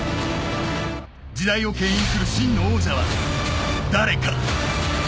時代をけん引する真の王者は誰か。